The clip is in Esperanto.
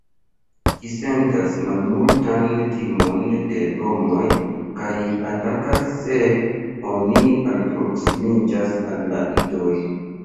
Ĝi sentas malmultan timon de homoj, kaj atakas se oni alproksimiĝas al la idoj.